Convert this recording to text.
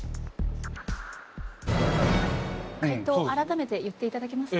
解答改めて言っていただけますか？